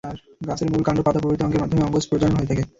গাছের মূল, কাণ্ড, পাতা প্রভৃতি অঙ্গের মাধ্যমে অঙ্গজ প্রজনন হয়ে থাকে।